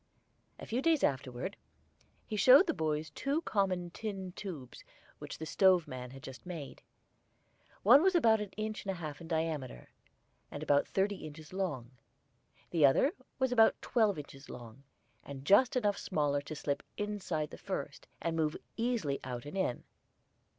A few days afterward he showed the boys two common tin tubes which the stove man had just made. One was about one inch and a half in diameter, and about thirty inches long; the other was about twelve inches long, and just enough smaller to slip inside the first, and move easily out and in.